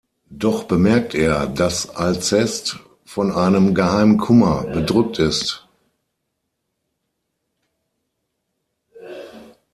Doch bemerkt er, dass Alceste von einem geheimen Kummer bedrückt ist.